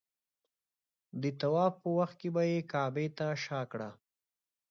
د طواف په وخت به یې کعبې ته شا کړه.